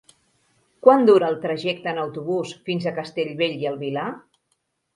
Quant dura el trajecte en autobús fins a Castellbell i el Vilar?